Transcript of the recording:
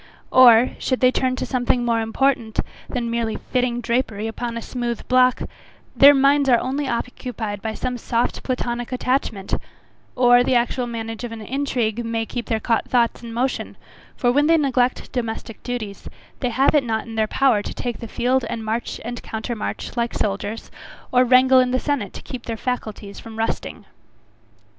Or, should they turn to something more important than merely fitting drapery upon a smooth block, their minds are only occupied by some soft platonic attachment; or, the actual management of an intrigue may keep their thoughts in motion; for when they neglect domestic duties, they have it not in their power to take the field and march and counter march like soldiers, or wrangle in the senate to keep their faculties from rusting.